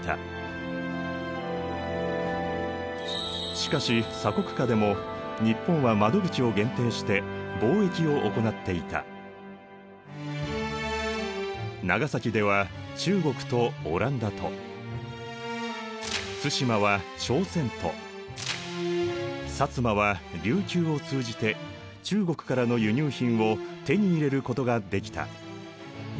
しかし鎖国下でも日本は長崎では中国とオランダと対馬は朝鮮と摩は琉球を通じて中国からの輸入品を手に入れることができた。